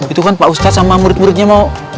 itu kan pak ustadz sama murid muridnya mau